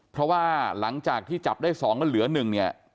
เพราะว่าหลังจากที่จับได้๒แล้วเหลือ๑เนี่ย